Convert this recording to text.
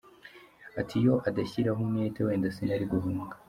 Ati “Iyo adashyiraho umwete wenda sinari guhunga.